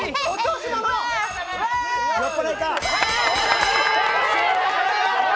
酔っぱらいか！